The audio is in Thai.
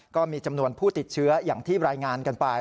ก็มีจำนวนผู้ติดเชื้ออย่างที่รายงานกันไป